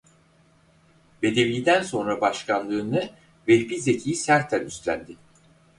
Bedevi'den sonra başkanlığını Vehbi Zeki Serter üstlendi.